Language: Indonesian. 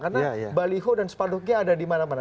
karena baliho dan sepanduknya ada di mana mana